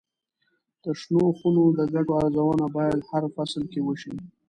د شنو خونو د ګټو ارزونه باید هر فصل کې وشي.